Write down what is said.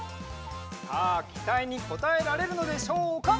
さあきたいにこたえられるのでしょうか？